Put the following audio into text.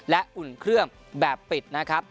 และอุ่นเครื่องแบบปิดนะครับ